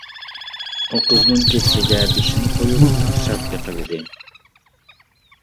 ئۇ قىزنىڭ كۆكسىگە بېشىنى قويۇپ تىڭشاپ بېقىۋىدى.